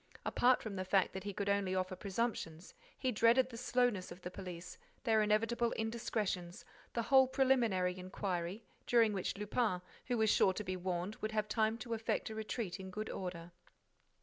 Apart from the fact that he could only offer presumptions, he dreaded the slowness of the police, their inevitable indiscretions, the whole preliminary inquiry, during which Lupin, who was sure to be warned, would have time to effect a retreat in good order.